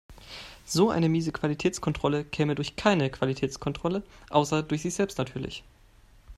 So eine miese Qualitätskontrolle käme durch keine Qualitätskontrolle, außer durch sich selbst natürlich.